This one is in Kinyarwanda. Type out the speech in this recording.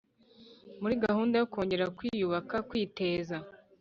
Muri gahunda yo kongera kwiyubaka, kwiteza